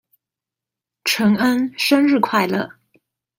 承恩生日快樂！